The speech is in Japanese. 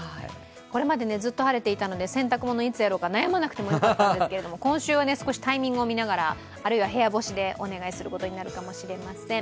これまでずっと晴れていたので、洗濯物、いつやろうか悩まなくてもよかったんですけれども、今週は少しタイミングを見ながらあるいは部屋干しでお願いすることになるかもしれません。